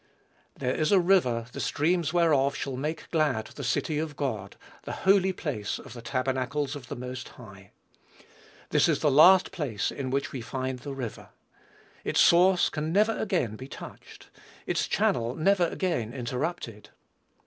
"There is a river, the streams whereof shall make glad the city of God, the holy place of the tabernacles of the Most High." This is the last place in which we find the river. Its source can never again be touched, its channel never again interrupted.